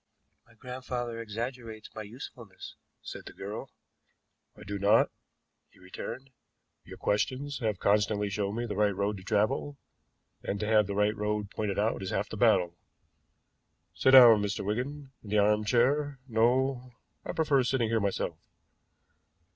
"My grandfather exaggerates my usefulness," said the girl. "I do not," he returned. "Your questions have constantly shown me the right road to travel, and to have the right road pointed out is half the battle. Sit down, Mr. Wigan in the arm chair no, I prefer sitting here myself.